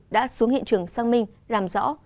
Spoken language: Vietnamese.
đã xuống hiện trường xác minh làm rõ